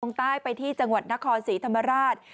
ใต้ไปที่จังหวัดนครศรีธรรมราช